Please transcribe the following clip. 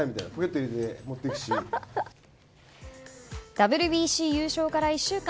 ＷＢＣ優勝から１週間。